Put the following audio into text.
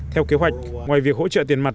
theo kế hoạch ngoài việc hỗ trợ tiền mặt